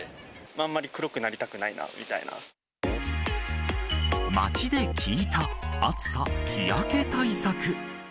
あんまり黒くなりたくないな街で聞いた、暑さ日焼け対策。